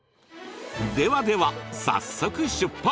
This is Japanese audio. ではでは早速出発！